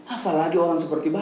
apa lagi orang seperti bapak